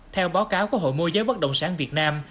theo báo cáo của hội mô giới bất động sản việt nam